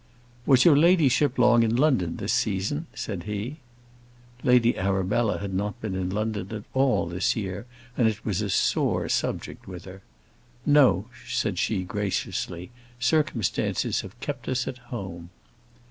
"Was your ladyship long in London, this season?" said he. Lady Arabella had not been in London at all this year, and it was a sore subject with her. "No," said she, very graciously; "circumstances have kept us at home."